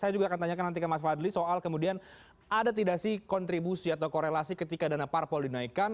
saya juga akan tanyakan nanti ke mas fadli soal kemudian ada tidak sih kontribusi atau korelasi ketika dana parpol dinaikkan